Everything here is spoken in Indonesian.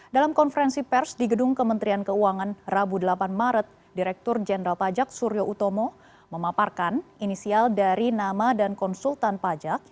dalam konferensi pers di gedung kementerian keuangan rabu delapan maret direktur jenderal pajak suryo utomo memaparkan inisial dari nama dan konsultan pajak